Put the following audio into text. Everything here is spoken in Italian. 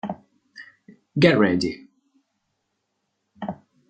Get Ready